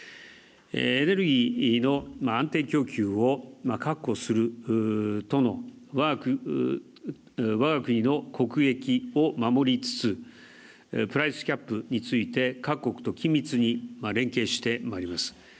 エネルギーの安定供給を確保するとのわが国の国益を守りつつプライスキャップについて各国と緊密に連携してまいります。